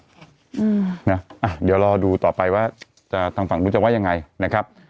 เดี๋ยวรอดูต่อไปว่าจะทางฝั่งนู้นจะว่ายังไงนะครับ